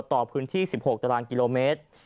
ต่อพื้นที่๑๖ตารางกิโลเมตร